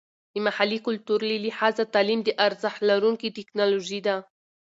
د محلي کلتور له لحاظه تعلیم د ارزښت لرونکې ټیکنالوژي ده.